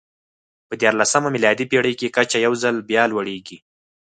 په دیارلسمه میلادي پېړۍ کې کچه یو ځل بیا لوړېږي.